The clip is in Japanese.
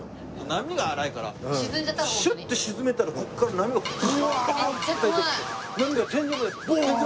波が荒いからシュッて沈めたらここから波がブワーッて入ってきて波が天井までボーンって。